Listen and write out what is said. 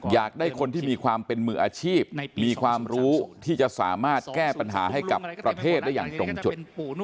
อยากได้คนที่มีความเป็นมืออาชีพมีความรู้ที่จะสามารถแก้ปัญหาให้กับประเทศได้อย่างตรงจุด